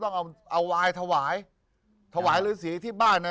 แต่นี่ผมต้องเอาวายถวายถวายฤษีที่บ้าน